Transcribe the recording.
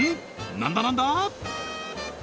何だ何だ？